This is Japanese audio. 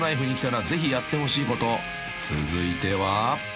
［続いては］